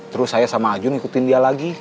terus saya sama aju ngikutin dia lagi